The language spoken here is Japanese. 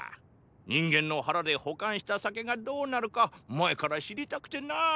人間の腹で保管した酒がどうなるか前から知りたくてな。